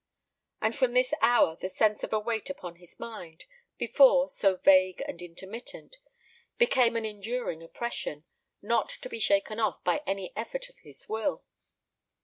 And from this hour the sense of a weight upon his mind, before so vague and intermittent, became an enduring oppression, not to be shaken off by any effort of his will.